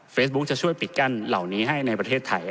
จะช่วยปิดกั้นเหล่านี้ให้ในประเทศไทย